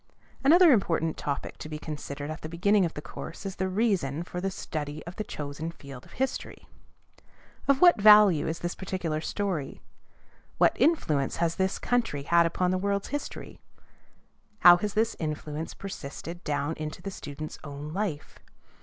Another important topic to be considered at the beginning of the course is the reason for the study of the chosen field of history. Of what value is this particular story? What influence has this country had upon the world's history? How has this influence persisted down into the student's own life?